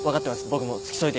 僕も付き添いで。